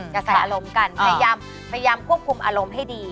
กระแสอารมณ์กันพยายามควบคุมอารมณ์ให้ดี